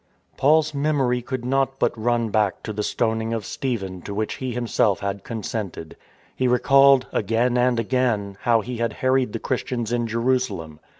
Paujs memory could not but run back to the stoning of Stephen to which he himself had consented. He recalled, again and again, how he had harried the Christians in Jerusalem.